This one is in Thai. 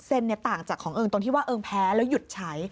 ต่างจากของเอิงตรงที่ว่าเอิงแพ้แล้วหยุดใช้